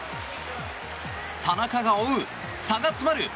田中が追う、差が詰まる。